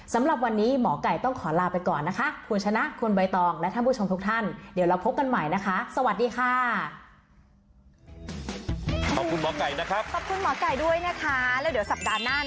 สำหรับวันนี้หมอไก่ต้องขอลาไปก่อนนะคะคุณชนะคุณใบตองและท่านผู้ชมทุกท่านเดี๋ยวเราพบกันใหม่นะคะสวัสดีค่ะ